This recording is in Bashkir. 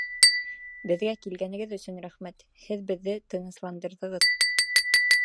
Беҙгә килгәнегеҙ өсөн рәхмәт, һеҙ беҙҙе тынысландырҙығыҙ.